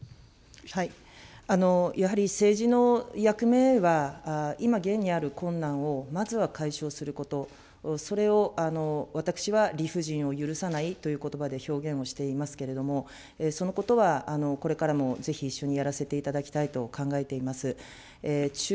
やはり政治の役目は、今、現にある困難をまずは解消すること、それを私は理不尽を許さないということばで表現していますけれども、そのことはこれからもぜひ一緒にやらせていただきたいと考えています。